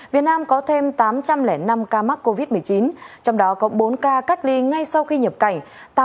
việt nam có thêm tám trăm linh năm ca mắc covid một mươi chín trong đó có bốn ca cách ly ngay sau khi nhập cảnh